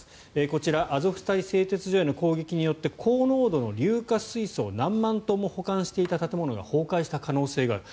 こちら、アゾフスタリ製鉄所への攻撃によって高濃度の硫化水素を何万トンも保管していた建物が崩壊した可能性がある。